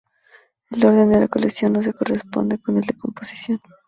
El orden de la colección no se corresponde con el de composición.